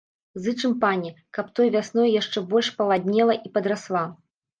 Зычым панне, каб той вясной яшчэ больш паладнела і падрасла.